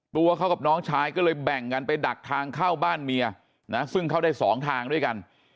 ตัวเขากับน้องชายก็เลยแบ่งกันไปดักทางเข้าบ้านเมียนะซึ่งเข้าได้สองทางด้วยกัน